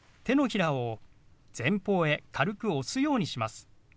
手のひらを前方へ軽く押すようにします。